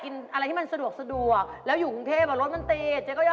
นี่๙ขวบแล้วพูดต่อเลย